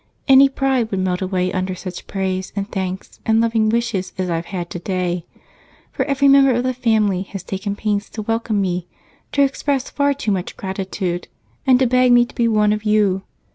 Any pride would melt away under such praise and thanks and loving wishes as I've had today, for every member of the family has taken pains to welcome me, to express far too much gratitude, and to beg me to be one of you.